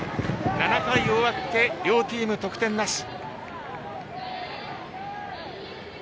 ７回終わって両チーム得点なし。